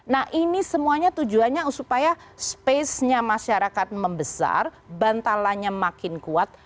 nah ini semuanya tujuannya supaya spacenya masyarakat membesar bantalanya makin kuat